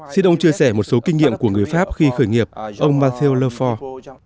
xin ông chia sẻ một số kinh nghiệm của người pháp khi khởi nghiệp ông mathieu lefort